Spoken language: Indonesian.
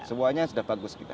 semuanya sudah bagus kita